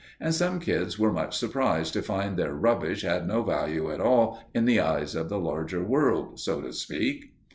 And some kids were much surprised to find their rubbish had no value at all in the eyes of the larger world, so to speak.